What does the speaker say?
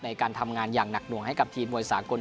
ในการทำงานให้กับเทียมบรรยาสมัครอย่างหนักหน่วง